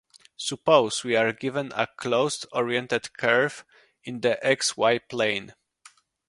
Suppose we are given a closed, oriented curve in the "xy" plane.